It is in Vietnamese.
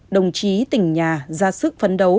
đồng chí tỉnh nhà ra sức phấn đấu